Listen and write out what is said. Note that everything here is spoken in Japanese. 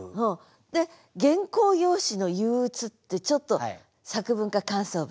で「原稿用紙の憂鬱」ってちょっと作文か感想文。